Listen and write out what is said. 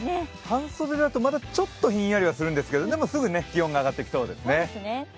半袖だと、まだちょっとひんやりはするんですがでもすぐ気温が上がってきそうですね。